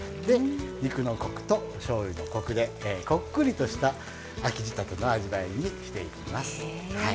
肉のコクと、しょうゆのコクでこっくりとした秋仕立ての味わいにしていきます。